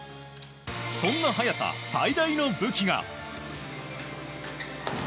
そんな早田、最大の武器が。